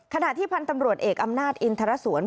ขณะที่พันธ์ตำรวจเอกอำนาจอินทรสวน